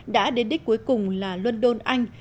đã đến đích cuối cùng là london anh